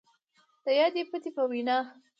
د يادې پتې په وينا،